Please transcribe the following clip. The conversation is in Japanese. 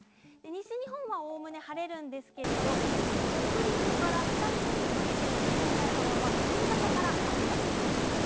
西日本はおおむね晴れるんですけれど、北陸から北日本にかけての日本海側は夕方から雨が降ってきます。